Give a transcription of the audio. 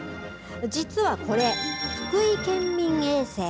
実はこれ福井県民衛星。